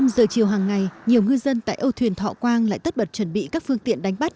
một mươi giờ chiều hàng ngày nhiều ngư dân tại âu thuyền thọ quang lại tất bật chuẩn bị các phương tiện đánh bắt